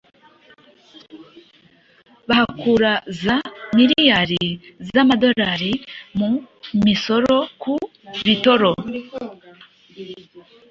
bahakura za miliyari z'amadorari mu misoro ku bitoro